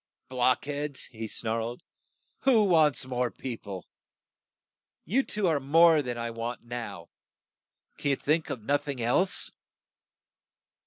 "Block heads!" he snarled. "Who wants more peo ple? You are two more than I want now. Can you think of noth ing else?